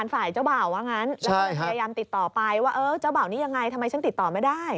ฝ่ายเจ้าบ่าวว่างั้นแล้วก็เลยพยายามติดต่อไปว่าเออเจ้าบ่าวนี้ยังไงทำไมฉันติดต่อไม่ได้